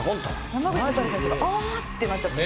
「山口蛍選手がああってなっちゃってる」